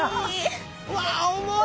うわ重い！